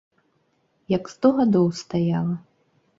Як сто гадоў стаяла!